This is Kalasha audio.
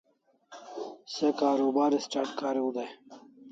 Se karubar start kariu dai